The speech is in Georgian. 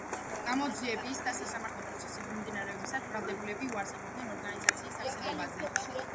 გამოძიების და სასამართლო პროცესის მიმდინარეობისას ბრალდებულები უარს ამბობდნენ ორგანიზაციის არსებობაზე.